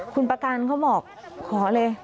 คุณประกันเขาบอกขอเลย